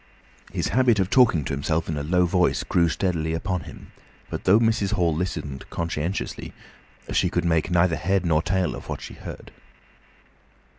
His habit of talking to himself in a low voice grew steadily upon him, but though Mrs. Hall listened conscientiously she could make neither head nor tail of what she heard.